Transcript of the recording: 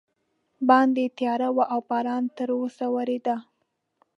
باندې تیاره وه او باران تراوسه ورېده.